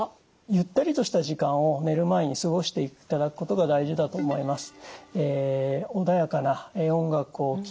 ゆったりとした時間を寝る前に過ごしていただくことが大事だと思います。